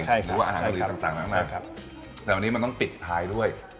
ใช่ครับหรือว่าอาหารกรียนต์ต่างต่างมากมากใช่ครับแต่วันนี้มันต้องปิดท้ายด้วย